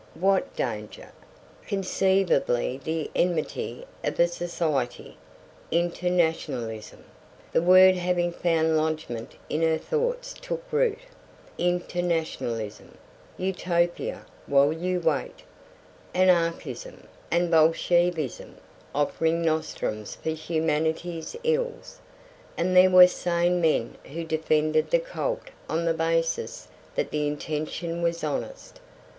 What danger? Conceivably the enmity of a society internationalism. The word having found lodgment in her thoughts took root. Internationalism Utopia while you wait! Anarchism and Bolshevism offering nostrums for humanity's ills! And there were sane men who defended the cult on the basis that the intention was honest.